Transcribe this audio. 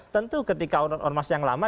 tentu ketika ormas yang lama